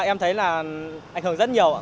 em thấy là ảnh hưởng rất nhiều ạ